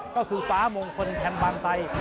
ก็คือฟ้ามงคลแพมบางไซ